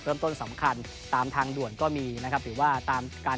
เริ่มต้นสำคัญตามทางด่วนก็มีนะครับหรือว่าตามการ